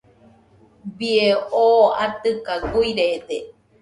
Bie oo atɨka guirede.